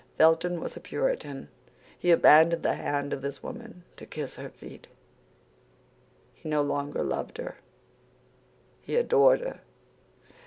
Felton was a Puritan; he abandoned the hand of this woman to kiss her feet. He no longer loved her; he adored her.